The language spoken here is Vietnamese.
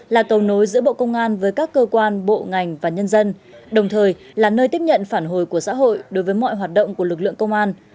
là cầu nối giữa bộ công an với các cơ quan bộ ngành và nhân dân đồng thời là nơi tiếp nhận phản hồi của xã hội đối với mọi hoạt động của lực lượng công an